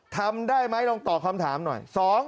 ทำได้ไหมลองตอบคำถามหน่อย